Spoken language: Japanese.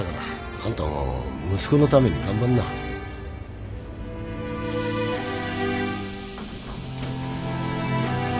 あんたも息子のために頑張んな剛利さん！